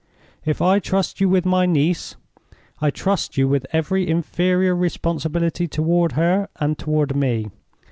If I trust you with my niece, I trust you with every inferior responsibility toward her and toward me.